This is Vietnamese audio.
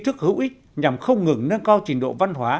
những chi thức hữu ích nhằm không ngừng nâng cao trình độ văn hóa